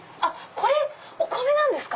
これお米なんですか？